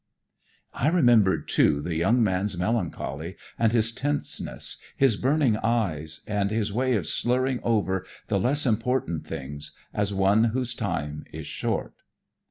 I remembered, too, the young man's melancholy and his tenseness, his burning eyes, and his way of slurring over the less important things, as one whose time is short.